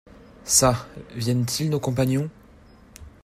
Çà, viennent-ils, nos compagnons ?